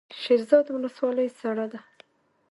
شیرزاد ولسوالۍ سړه ده؟